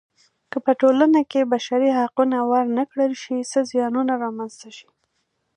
که په ټولنه کې بشري حقونه ورنه کړل شي څه زیانونه رامنځته شي.